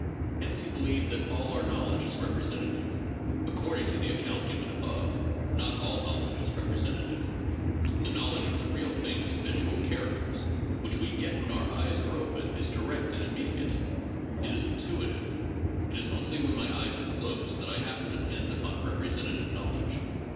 Hence he believed that all our knowledge is representative. According to the account given above, not all knowledge is representative. The knowledge of the real thing's visual characters which we get when our eyes are open is direct and immediate : it is intuitive. It is only when my eyes are closed that I have to depend on representative knowledge.